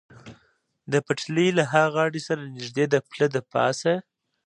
د پټلۍ له ها غاړې سره نږدې د پله له پاسه.